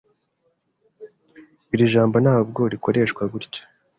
Iri jambo ntabwo rikoreshwa gutya.